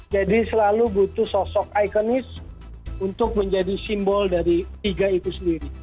jadi selalu butuh sosok ikonis untuk menjadi simbol dari liga itu sendiri